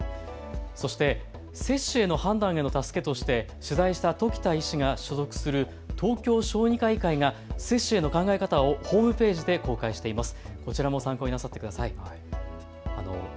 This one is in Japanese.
そして接種への判断の助けとして取材した時田医師が所属する東京小児科医会が接種への考え方をホームページで公開しています。